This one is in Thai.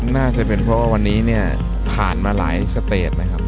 น่าจะเป็นเพราะว่าวันนี้เนี่ยผ่านมาหลายสเตจนะครับ